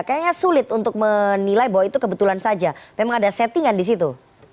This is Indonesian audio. kayaknya sulit untuk menilai bahwa itu kebetulan saja memang ada settingan di situ